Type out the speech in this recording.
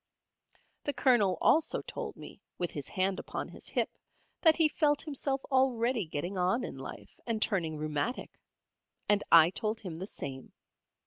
The Colonel also told me with his hand upon his hip that he felt himself already getting on in life, and turning rheumatic. And I told him the same.